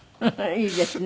いいですね。